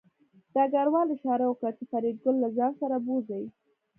ډګروال اشاره وکړه چې فریدګل له ځان سره بوځي